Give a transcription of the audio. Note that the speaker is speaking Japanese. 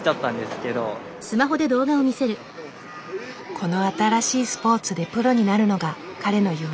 この新しいスポーツでプロになるのが彼の夢。